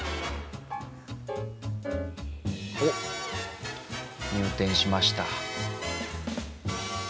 おっ入店しました。